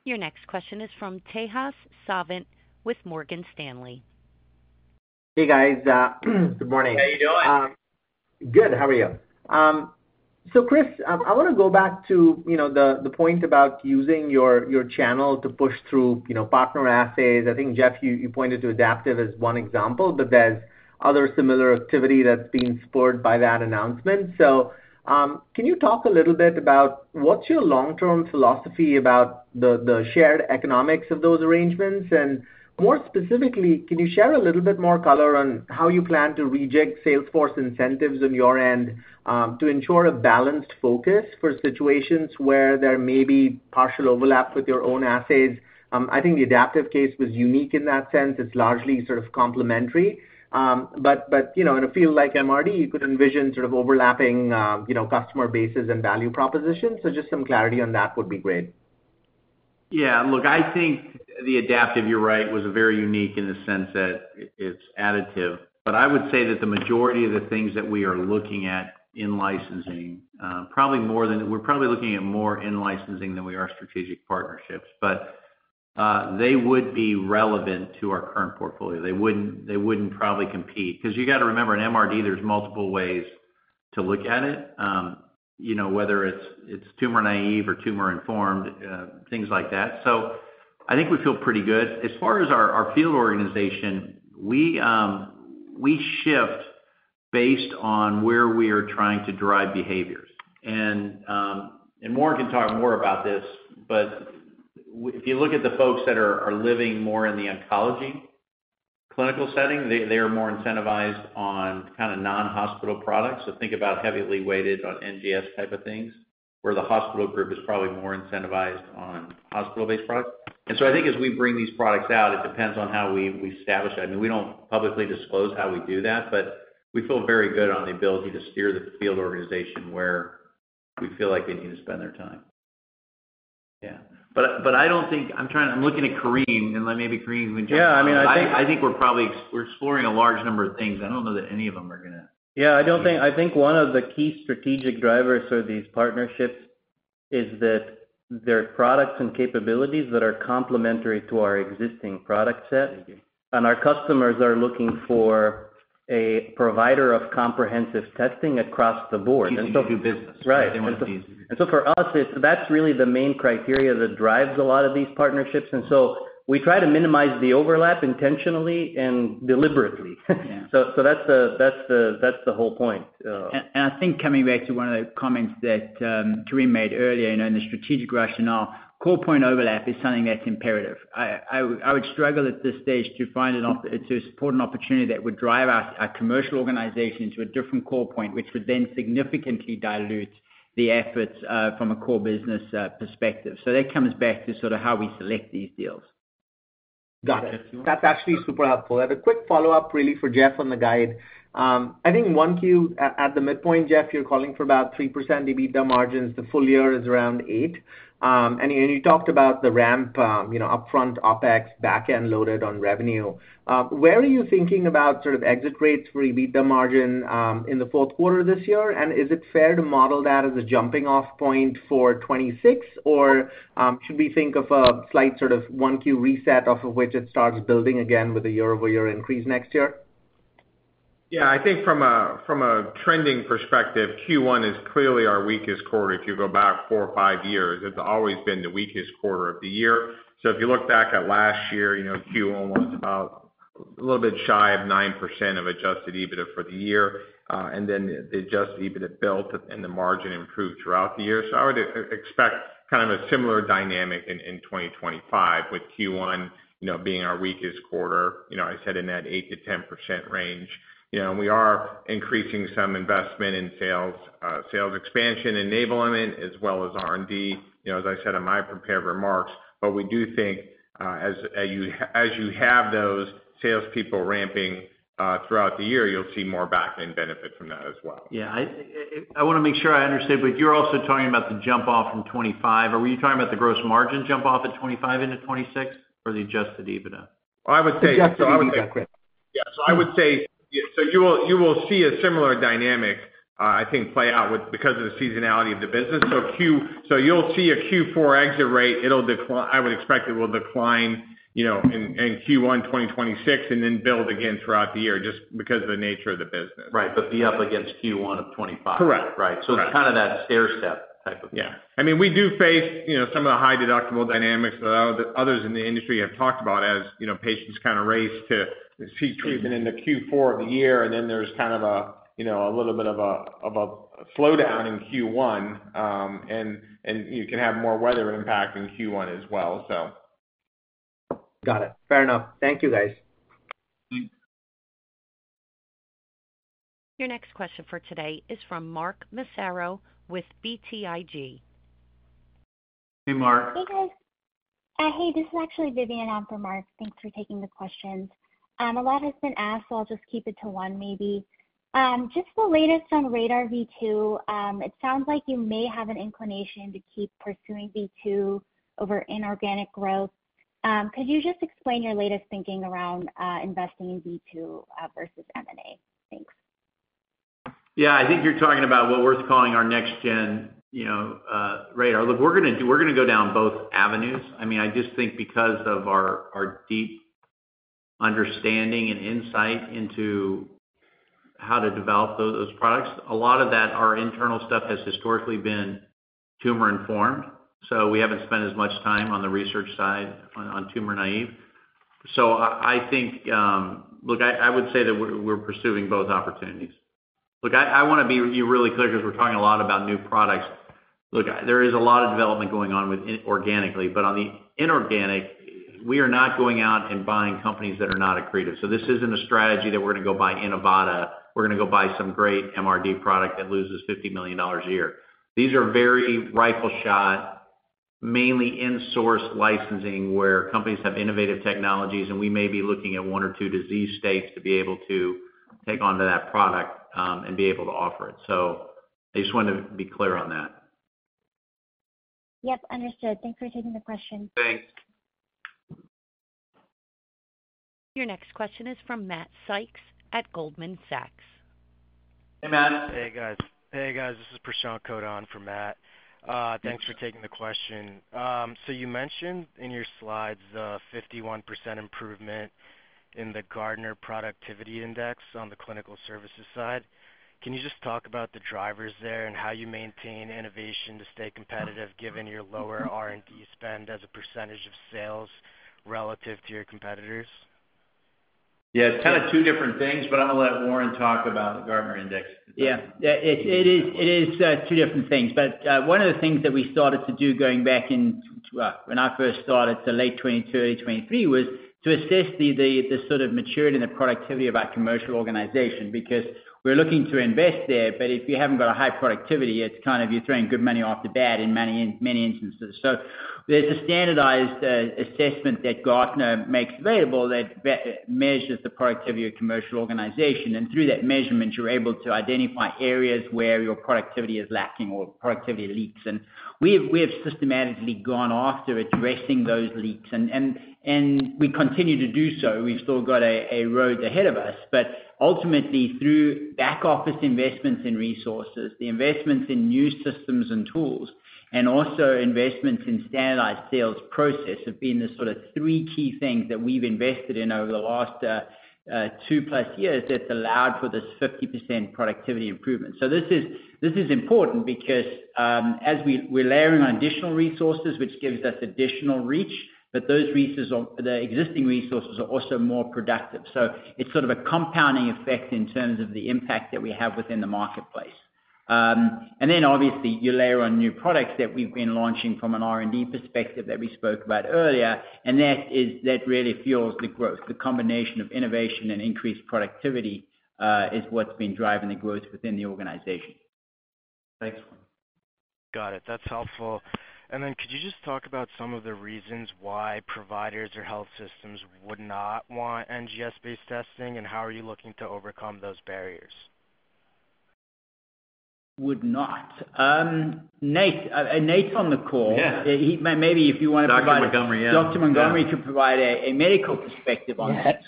Your next question is from Tejas Savant with Morgan Stanley. Hey, guys. Good morning. How are you doing? Good. How are you? So Chris, I want to go back to the point about using your channel to push through partner assays. I think, Jeff, you pointed to Adaptive as one example, but there's other similar activity that's being spurred by that announcement. So can you talk a little bit about what's your long-term philosophy about the shared economics of those arrangements? And more specifically, can you share a little bit more color on how you plan to reject sales force incentives on your end to ensure a balanced focus for situations where there may be partial overlap with your own assays? I think the Adaptive case was unique in that sense. It's largely sort of complementary. But in a field like MRD, you could envision sort of overlapping customer bases and value propositions. So just some clarity on that would be great. Yeah. Look, I think the Adaptive, you're right, was very unique in the sense that it's additive. But I would say that the majority of the things that we are looking at in licensing, probably more than we're probably looking at more in licensing than we are strategic partnerships. But they would be relevant to our current portfolio. They wouldn't probably compete. Because you got to remember, in MRD, there's multiple ways to look at it, whether it's tumor-naive or tumor-informed, things like that. So I think we feel pretty good. As far as our field organization, we shift based on where we are trying to drive behaviors. And Warren can talk more about this. But if you look at the folks that are living more in the oncology clinical setting, they are more incentivized on kind of non-hospital products. So, think about heavily weighted on NGS type of things, where the hospital group is probably more incentivized on hospital-based products. And so I think as we bring these products out, it depends on how we establish it. I mean, we don't publicly disclose how we do that, but we feel very good on the ability to steer the field organization where we feel like they need to spend their time. Yeah. But I don't think I'm trying to. I'm looking at Kareem. And maybe Kareem, you can jump in. Yeah. I mean, I think. I think we're probably exploring a large number of things. I don't know that any of them are going to. Yeah. I think one of the key strategic drivers for these partnerships is that there are products and capabilities that are complementary to our existing product set, and our customers are looking for a provider of comprehensive testing across the board. They just don't do business. Right. And so for us, that's really the main criteria that drives a lot of these partnerships. And so we try to minimize the overlap intentionally and deliberately. So that's the whole point. And I think coming back to one of the comments that Kareem made earlier in the strategic rationale, call point overlap is something that's imperative. I would struggle at this stage to support an opportunity that would drive our commercial organization into a different call point, which would then significantly dilute the efforts from a core business perspective. So that comes back to sort of how we select these deals. Got it. That's actually super helpful. I have a quick follow-up, really, for Jeff on the guide. I think 1Q at the midpoint, Jeff, you're calling for about 3% EBITDA margins. The full year is around 8%. And you talked about the ramp, upfront, OPEX, back-end loaded on revenue. Where are you thinking about sort of exit rates for EBITDA margin in the fourth quarter of this year? And is it fair to model that as a jumping-off point for 2026, or should we think of a slight sort of one Q reset, off of which it starts building again with a year-over-year increase next year? Yeah. I think from a trending perspective, Q1 is clearly our weakest quarter. If you go back four or five years, it's always been the weakest quarter of the year. So if you look back at last year, Q1 was about a little bit shy of 9% of Adjusted EBITDA for the year. And then the Adjusted EBITDA built and the margin improved throughout the year. So I would expect kind of a similar dynamic in 2025, with Q1 being our weakest quarter. I said in that 8%-10% range. And we are increasing some investment in sales expansion enablement, as well as R&D, as I said in my prepared remarks. But we do think as you have those salespeople ramping throughout the year, you'll see more back-end benefit from that as well. Yeah. I want to make sure I understood. But you're also talking about the jump-off from 2025. Are we talking about the gross margin jump-off at 2025 into 2026, or the Adjusted EBITDA? I would say adjusted EBITDA. Yeah. So I would say you will see a similar dynamic, I think, play out because of the seasonality of the business. So you'll see a Q4 exit rate. I would expect it will decline in Q1 2026 and then build again throughout the year, just because of the nature of the business. Right. But be up against Q1 of 2025. Correct. Right. So it's kind of that stair step type of thing. I mean, we do face some of the high deductible dynamics that others in the industry have talked about as patients kind of race to seek treatment in the Q4 of the year. And then there's kind of a little bit of a slowdown in Q1. And you can have more weather impact in Q1 as well, so. Got it. Fair enough. Thank you, guys. Thanks. Your next question for today is from Mark Massaro with BTIG. Hey, Mark. Hey, guys. Hey, this is actually Vidyun for Mark. Thanks for taking the questions. A lot has been asked, so I'll just keep it to one maybe. Just the latest on RaDaR V2, it sounds like you may have an inclination to keep pursuing V2 over inorganic growth. Could you just explain your latest thinking around investing in V2 versus M&A? Thanks. Yeah. I think you're talking about what we're calling our next-gen RaDaR. Look, we're going to go down both avenues. I mean, I just think because of our deep understanding and insight into how to develop those products, a lot of that, our internal stuff, has historically been tumor-informed. So we haven't spent as much time on the research side on tumor-naive. So I think, look, I would say that we're pursuing both opportunities. Look, I want to be really clear because we're talking a lot about new products. Look, there is a lot of development going on organically. But on the inorganic, we are not going out and buying companies that are not accretive. So this isn't a strategy that we're going to go buy Inivata. We're going to go buy some great MRD product that loses $50 million a year. These are very rifle-shot, mainly in-source licensing, where companies have innovative technologies, and we may be looking at one or two disease states to be able to take onto that product and be able to offer it. I just wanted to be clear on that. Yep. Understood. Thanks for taking the question. Thanks. Your next question is from Matt Sykes at Goldman Sachs. Hey, Matt. Hey, guys. Hey, guys. This is Prashant Kulkarni from Matt. Thanks for taking the question. So you mentioned in your slides the 51% improvement in the Gartner Productivity Index on the clinical services side. Can you just talk about the drivers there and how you maintain innovation to stay competitive given your lower R&D spend as a percentage of sales relative to your competitors? Yeah. It's kind of two different things, but I'm going to let Warren talk about the Gartner index. Yeah. It is two different things. But one of the things that we started to do going back when I first started to late 2022, early 2023, was to assess the sort of maturity and the productivity of our commercial organization because we're looking to invest there. But if you haven't got a high productivity, it's kind of you're throwing good money off the bat in many instances. So there's a standardized assessment that Gartner makes available that measures the productivity of a commercial organization. And through that measurement, you're able to identify areas where your productivity is lacking or productivity leaks. And we have systematically gone after addressing those leaks. And we continue to do so. We've still got a road ahead of us. But ultimately, through back-office investments in resources, the investments in new systems and tools, and also investments in standardized sales process have been the sort of three key things that we've invested in over the last two-plus years that's allowed for this 50% productivity improvement. So this is important because as we're layering on additional resources, which gives us additional reach, but those existing resources are also more productive. So it's sort of a compounding effect in terms of the impact that we have within the marketplace. And then, obviously, you layer on new products that we've been launching from an R&D perspective that we spoke about earlier. And that really fuels the growth. The combination of innovation and increased productivity is what's been driving the growth within the organization. Thanks, Warren. Got it. That's helpful. And then could you just talk about some of the reasons why providers or health systems would not want NGS-based testing, and how are you looking to overcome those barriers? Would not. Nate's on the call. Yeah. Maybe if you want to provide. yeah. Dr. Montgomery could provide a medical perspective on that.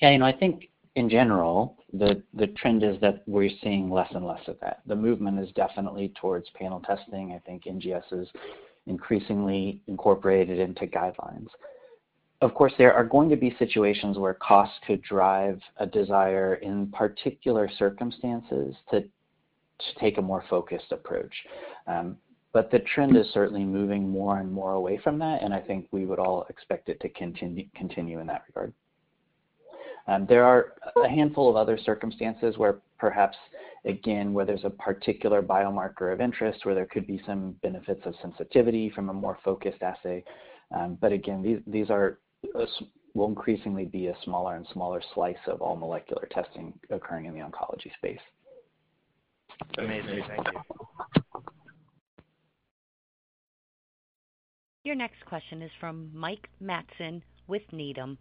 Yeah. I think, in general, the trend is that we're seeing less and less of that. The movement is definitely towards panel testing. I think NGS is increasingly incorporated into guidelines. Of course, there are going to be situations where costs could drive a desire, in particular circumstances, to take a more focused approach. But the trend is certainly moving more and more away from that. And I think we would all expect it to continue in that regard. There are a handful of other circumstances where perhaps, again, where there's a particular biomarker of interest, where there could be some benefits of sensitivity from a more focused assay. But again, these will increasingly be a smaller and smaller slice of all molecular testing occurring in the oncology space. Amazing. Thank you. Your next question is from Mike Matson with Needham.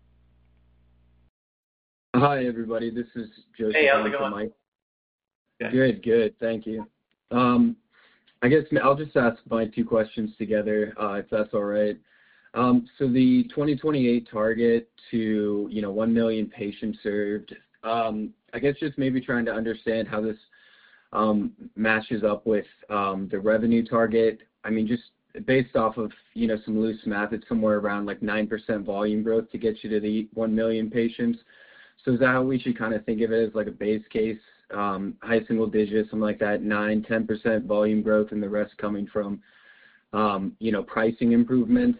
Hi, everybody. This is Joseph on for Mike. Hey, how's it going? Good. Good. Thank you. I guess I'll just ask my two questions together, if that's all right. So the 2028 target to 1 million patients served, I guess just maybe trying to understand how this matches up with the revenue target. I mean, just based off of some loose math, it's somewhere around 9% volume growth to get you to the 1 million patients. So is that how we should kind of think of it as a base case? High single-digit, something like that, 9-10% volume growth, and the rest coming from pricing improvements.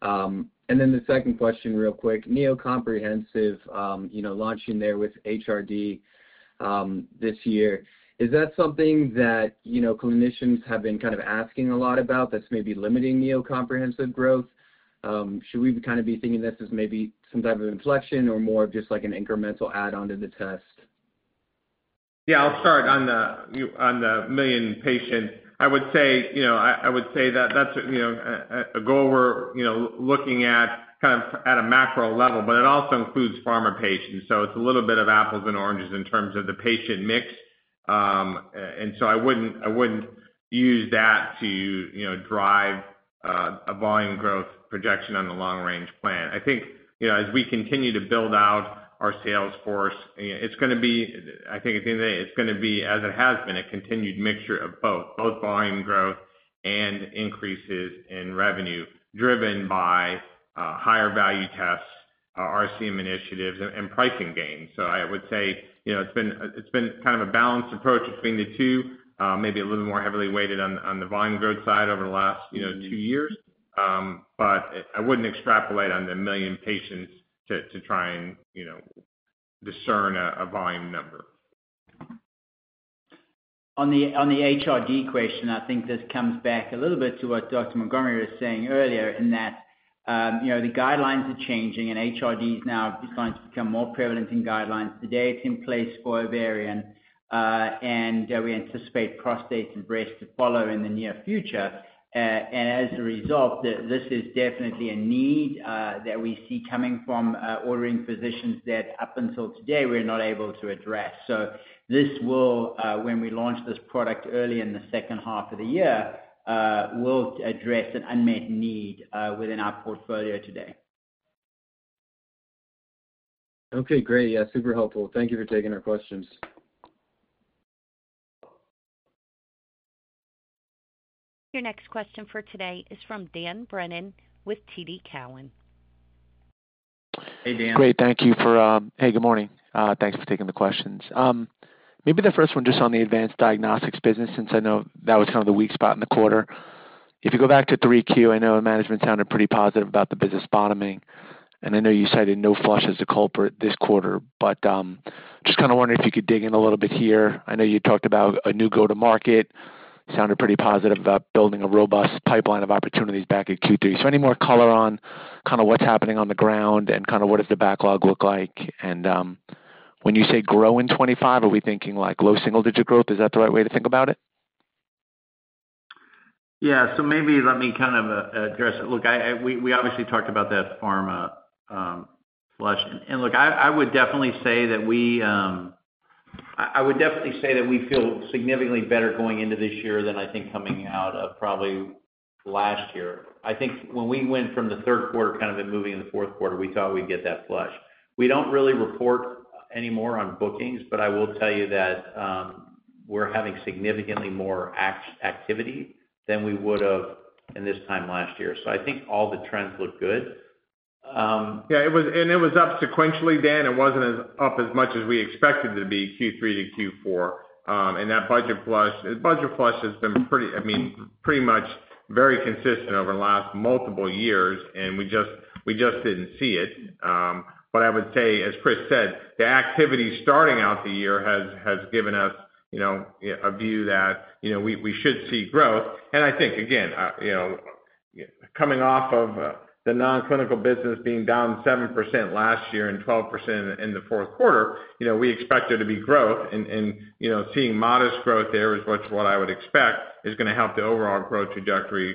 And then the second question, real quick, Neo Comprehensive launching there with HRD this year. Is that something that clinicians have been kind of asking a lot about that's maybe limiting Neo Comprehensive growth? Should we kind of be thinking this as maybe some type of inflection or more of just an incremental add-on to the test? Yeah. I'll start on the million patients. I would say that that's a goal we're looking at kind of at a macro level. But it also includes pharma patients. So it's a little bit of apples and oranges in terms of the patient mix. And so I wouldn't use that to drive a volume growth projection on the long-range plan. I think as we continue to build out our sales force, it's going to be, I think at the end of the day, it's going to be, as it has been, a continued mixture of both volume growth and increases in revenue driven by higher value tests, RCM initiatives, and pricing gains. So I would say it's been kind of a balanced approach between the two, maybe a little more heavily weighted on the volume growth side over the last two years. But I wouldn't extrapolate on the million patients to try and discern a volume number. On the HRD question, I think this comes back a little bit to what Dr. Montgomery was saying earlier in that the guidelines are changing, and HRD is now starting to become more prevalent in guidelines. Today, it's in place for ovarian, and we anticipate prostates and breasts to follow in the near future, and as a result, this is definitely a need that we see coming from ordering physicians that, up until today, we're not able to address, so this will, when we launch this product early in the second half of the year, address an unmet need within our portfolio today. Okay. Great. Yeah. Super helpful. Thank you for taking our questions. Your next question for today is from Dan Brennan with TD Cowen. Hey, Dan. Great. Thank you for, hey, good morning. Thanks for taking the questions. Maybe the first one just on the advanced diagnostics business, since I know that was kind of the weak spot in the quarter. If you go back to 3Q, I know management sounded pretty positive about the business bottoming. And I know you cited no flush as a culprit this quarter. But just kind of wondering if you could dig in a little bit here. I know you talked about a new go-to-market. Sounded pretty positive about building a robust pipeline of opportunities back at Q3. So any more color on kind of what's happening on the ground and kind of what does the backlog look like? And when you say grow in 2025, are we thinking low single-digit growth? Is that the right way to think about it? Yeah. So maybe let me kind of address it. Look, we obviously talked about that pharma flush. And look, I would definitely say that we, I would definitely say that we feel significantly better going into this year than, I think, coming out of probably last year. I think when we went from the third quarter kind of moving into the fourth quarter, we thought we'd get that flush. We don't really report anymore on bookings. But I will tell you that we're having significantly more activity than we would have in this time last year. So I think all the trends look good. Yeah. And it was up sequentially, Dan. It wasn't up as much as we expected it to be Q3 to Q4. And that budget flush has been pretty, I mean, pretty much very consistent over the last multiple years. And we just didn't see it. But I would say, as Chris said, the activity starting out the year has given us a view that we should see growth. And I think, again, coming off of the nonclinical business being down 7% last year and 12% in the fourth quarter, we expect there to be growth. And seeing modest growth there is what I would expect is going to help the overall growth trajectory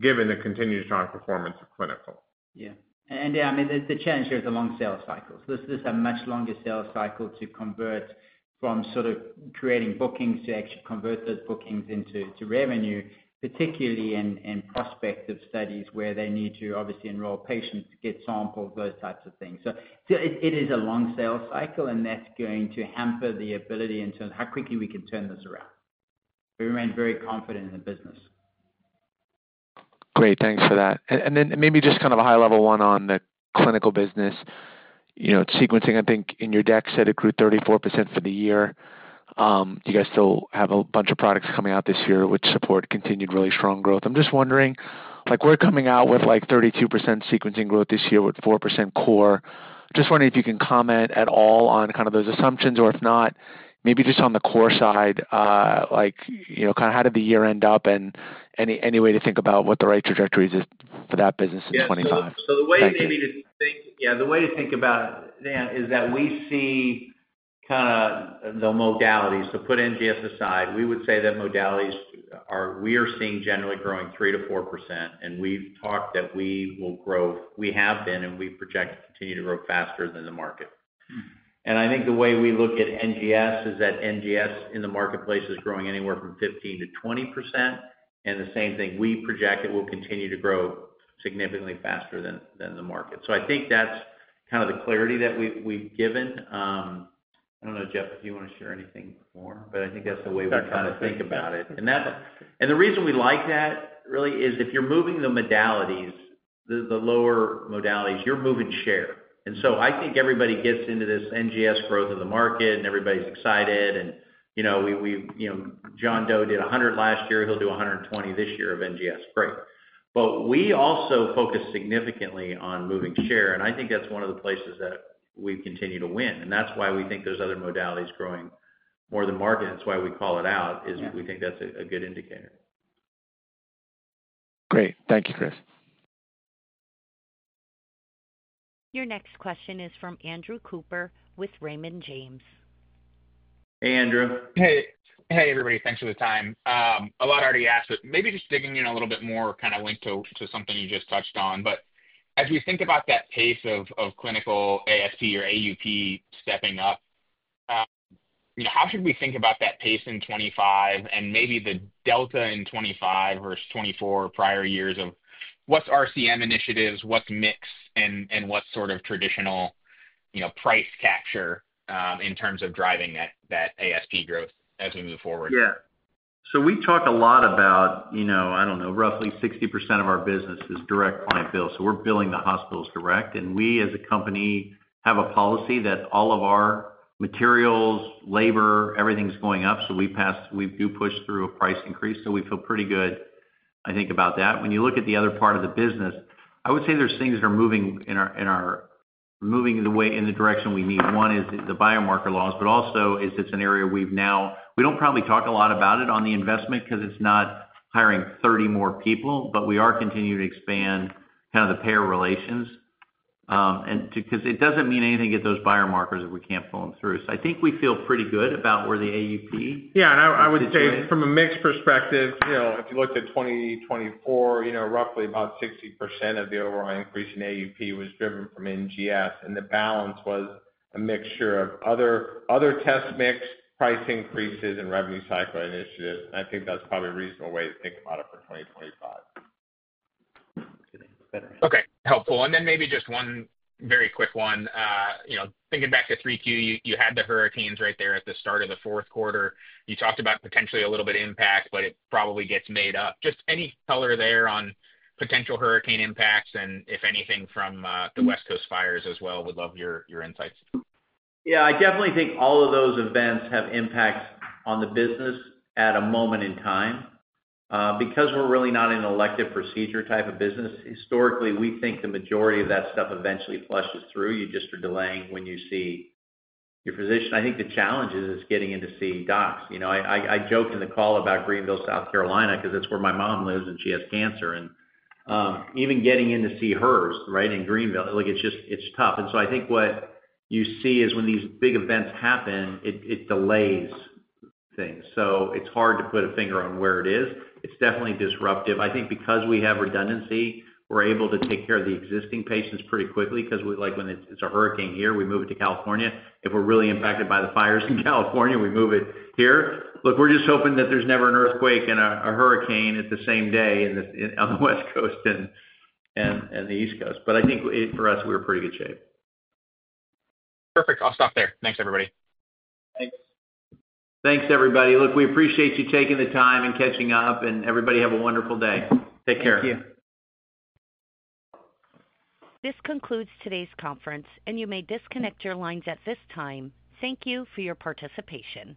given the continued strong performance of clinical. Yeah. And Dan, I mean, the challenge here is the long sales cycles. This is a much longer sales cycle to convert from sort of creating bookings to actually convert those bookings into revenue, particularly in prospective studies where they need to obviously enroll patients to get samples, those types of things. So it is a long sales cycle, and that's going to hamper the ability in terms of how quickly we can turn this around. We remain very confident in the business. Great. Thanks for that. And then maybe just kind of a high-level one on the clinical business. Sequencing, I think in your deck said it grew 34% for the year. You guys still have a bunch of products coming out this year which support continued really strong growth. I'm just wondering, we're coming out with 32% sequencing growth this year with 4% core. Just wondering if you can comment at all on kind of those assumptions. Or if not, maybe just on the core side, kind of how did the year end up and any way to think about what the right trajectory is for that business in 2025? Yeah. So the way to think about it, Dan, is that we see kind of the modalities. So put NGS aside, we would say that modalities are. We are seeing generally growing 3%-4%. And we've talked that we will grow. We have been, and we project to continue to grow faster than the market. And I think the way we look at NGS is that NGS in the marketplace is growing anywhere from 15%-20%. And the same thing, we project it will continue to grow significantly faster than the market. So I think that's kind of the clarity that we've given. I don't know, Jeff, if you want to share anything more. But I think that's the way we kind of think about it. And the reason we like that really is if you're moving the modalities, the lower modalities, you're moving share. And so I think everybody gets into this NGS growth of the market, and everybody's excited. And John Doe did 100 last year. He'll do 120 this year of NGS. Great. But we also focus significantly on moving share. And I think that's one of the places that we continue to win. And that's why we think those other modalities are growing more than market. That's why we call it out, is we think that's a good indicator. Great. Thank you, Chris. Your next question is from Andrew Cooper with Raymond James. Hey, Andrew. Hey, hey, everybody. Thanks for the time. A lot already asked, but maybe just digging in a little bit more kind of linked to something you just touched on. But as we think about that pace of clinical ASP or AUP stepping up, how should we think about that pace in 2025 and maybe the delta in 2025 versus 2024 prior years of what's RCM initiatives, what's mix, and what's sort of traditional price capture in terms of driving that ASP growth as we move forward? Yeah. So we talk a lot about, I don't know, roughly 60% of our business is direct client bill. So we're billing the hospitals direct. And we, as a company, have a policy that all of our materials, labor, everything's going up. So we do push through a price increase. So we feel pretty good, I think, about that. When you look at the other part of the business, I would say there's things that are moving in the direction we need. One is the biomarker loss. But also, it's an area we've now we don't probably talk a lot about it on the investment because it's not hiring 30 more people. But we are continuing to expand kind of the payer relations. Because it doesn't mean anything at those biomarkers if we can't pull them through. So I think we feel pretty good about where the AUP is going. Yeah. And I would say from a mix perspective, if you looked at 2024, roughly about 60% of the overall increase in AUP was driven from NGS. And the balance was a mixture of other test mix, price increases, and revenue cycle initiatives. And I think that's probably a reasonable way to think about it for 2025. Okay. Helpful. And then maybe just one very quick one. Thinking back to 3Q, you had the hurricanes right there at the start of the fourth quarter. You talked about potentially a little bit of impact, but it probably gets made up. Just any color there on potential hurricane impacts and, if anything, from the West Coast fires as well. We'd love your insights. Yeah. I definitely think all of those events have impact on the business at a moment in time. Because we're really not an elective procedure type of business, historically, we think the majority of that stuff eventually flushes through. You just are delaying when you see your physician. I think the challenge is getting in to see docs. I joke in the call about Greenville, South Carolina, because that's where my mom lives, and she has cancer, and even getting in to see hers, right, in Greenville, it's tough, and so I think what you see is when these big events happen, it delays things, so it's hard to put a finger on where it is. It's definitely disruptive. I think because we have redundancy, we're able to take care of the existing patients pretty quickly. Because when it's a hurricane here, we move it to California. If we're really impacted by the fires in California, we move it here. Look, we're just hoping that there's never an earthquake and a hurricane at the same day on the West Coast and the East Coast. But I think for us, we're in pretty good shape. Perfect. I'll stop there. Thanks, everybody. Thanks. Thanks, everybody. Look, we appreciate you taking the time and catching up, and everybody have a wonderful day. Take care. Thank you. This concludes today's conference, and you may disconnect your lines at this time. Thank you for your participation.